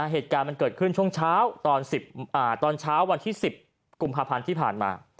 เหตุการณ์มันเกิดขึ้นช่วงเช้าตอนเช้าวันที่๑๐กุมภาพันธ์ที่ผ่านมา